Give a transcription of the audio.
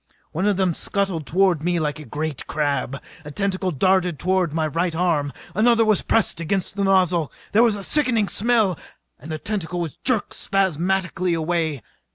One of them scuttled toward me like a great crab. A tentacle darted toward my right arm. Another was pressed against the nozzle. There was a sickening smell and the tentacle was jerked spasmodically away.